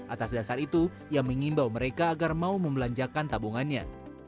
atas dasar itu ia mengimbau mereka agar mau membelanjakan tabungannya